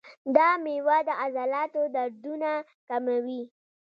دا میوه د عضلاتو دردونه کموي.